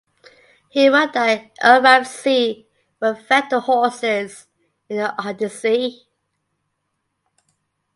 He wrote that unripe zea were fed to horses in the Odyssey.